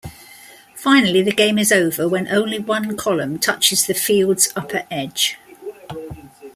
Finally, the game is over when only one column touches the field's upper edge.